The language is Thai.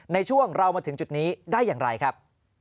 ในช่วงเรามาถึงจุดนี้ได้อย่างไรครับ